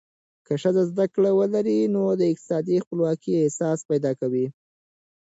که ښځه زده کړه ولري، نو د اقتصادي خپلواکۍ احساس پیدا کوي.